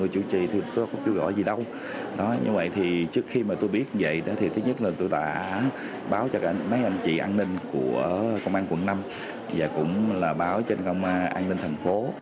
chữa chùa do vụ cháy